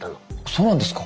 そうなんですか。